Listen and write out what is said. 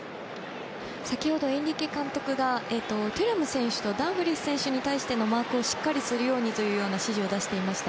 先ほど、エンリケ監督がテュラム選手とダンフリース選手に対してのマークをしっかりするようにという指示を出していました。